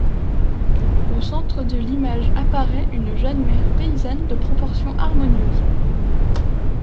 Au centre de l'image apparaît une jeune mère paysanne de proportions harmonieuses.